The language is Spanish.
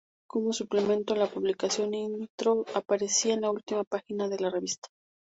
Como suplemento, la publicación "Intro" aparecía en la última página de la revista.